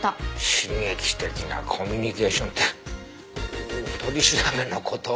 刺激的なコミュニケーションって取り調べの事？